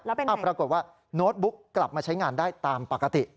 ปรากฏว่าโน้ตบุ๊กกลับมาใช้งานได้ตามปกติ